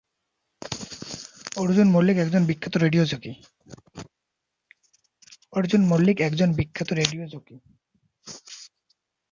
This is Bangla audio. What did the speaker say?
অর্জুন মল্লিক একজন বিখ্যাত রেডিও জকি।